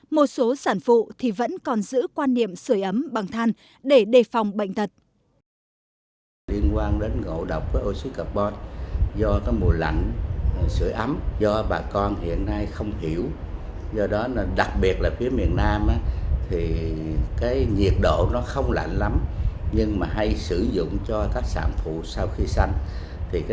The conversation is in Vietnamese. một số sản phụ vẫn còn giữ quan niệm sời ấm bằng than để đề phòng bệnh thật